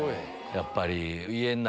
やっぱり。